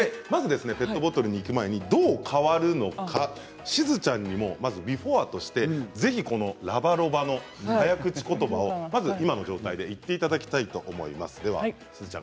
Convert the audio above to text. ペットボトルにいく前にどう変わるのか、しずちゃんにもビフォーとしてラバロバの早口ことばを今の状態で言っていただきたいと思います。